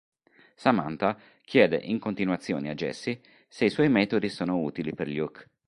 Samantha chiede in continuazione a Jessie se i suoi metodi sono utili per Luke.